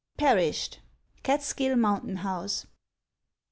PERISHED. CATSKILL MOUNTAIN HOUSE.